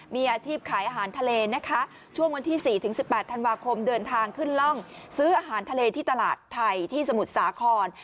มีอาชีพขายอาหารทะเลนะคะช่วงวันที่๔๑๘ธันวาคมเดินทางขึ้นร่องซื้ออาหารทะเลที่ตลาดไทยที่สมุทรสาคร